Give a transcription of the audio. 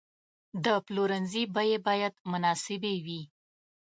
د پلورنځي بیې باید مناسبې وي.